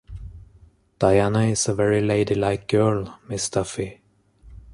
Diana is a very ladylike girl, Miss Duffy.